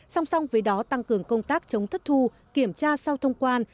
song song với đó tăng cường công tác chống thất thu kiểm tra sau thông quan